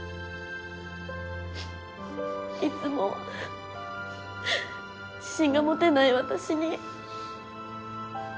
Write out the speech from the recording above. いつも自信が持てない私に。